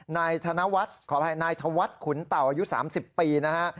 นายธวัฒน์ขุนเต่าอายุ๓๐ปีนะฮะ